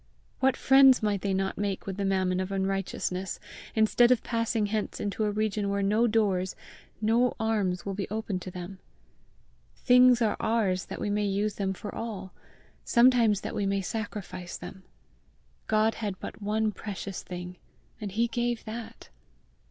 What friends might they not make with the mammon of unrighteousness, instead of passing hence into a region where no doors, no arms will be open to them! Things are ours that we may use them for all sometimes that we may sacrifice them. God had but one precious thing, and he gave that!